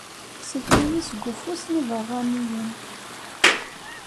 Sellek-iyi seg ufus n iberraniyen.